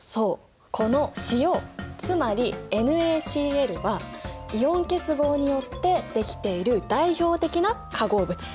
この塩つまりＮａＣｌはイオン結合によってできている代表的な化合物。